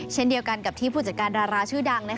เช่นเดียวกันกับที่ผู้จัดการดาราชื่อดัง